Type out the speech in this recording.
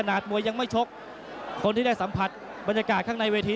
มวยยังไม่ชกคนที่ได้สัมผัสบรรยากาศข้างในเวที